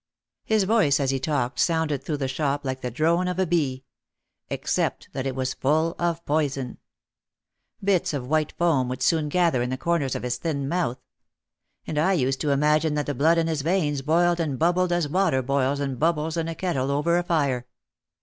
His voice as he talked sounded through the shop like the drone of a bee — except that it was full of poison. Bits of white foam would soon gather in the corners of his thin mouth. And I used to imagine that the blood in his veins boiled and bubbled as water boils and bubbles in a kettle over a fire.